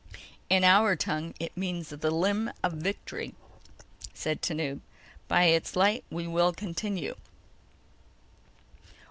"In our tongue it means: The Limb of Victory," said Tanub. "By its light we will continue."